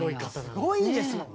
すごいんですよ！